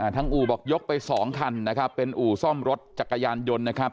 อู่บอกยกไป๒คันนะครับเป็นอู่ซ่อมรถจักรยานยนต์นะครับ